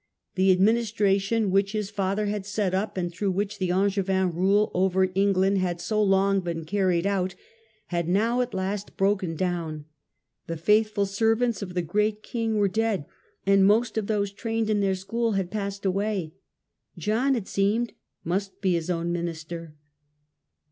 The administration which his father had set up, and through which the Angevins' rule over England had so long been carried on, had now at last broken down. The faithful servants of the great king were dead, and most of those trained in their school had passed away. John, it seemed, must be his own minister.